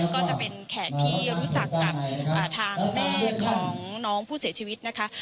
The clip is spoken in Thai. ก็จะเป็นแขกที่รู้จักกับทางแม่ของน้องผู้เสียชีวิตนะคะ